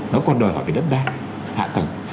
nó còn đòi hỏi về đất đa hạ tầng